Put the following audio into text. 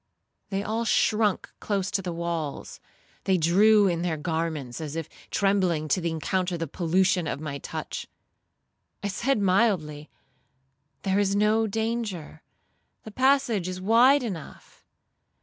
They all shrunk close to the walls; they drew in their garments, as if trembling to encounter the pollution of my touch. I said mildly, 'There is no danger; the passage is wide enough.'